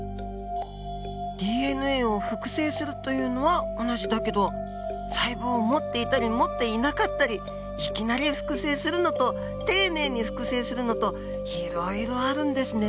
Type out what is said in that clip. ＤＮＡを複製するというのは同じだけど細胞を持っていたり持っていなかったりいきなり複製するのと丁寧に複製するのといろいろあるんですね。